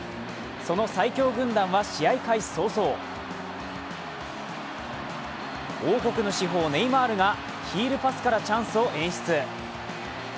その最強軍団は試合開始早々王国の至宝・ネイマールがヒールパスからチャンスを演出。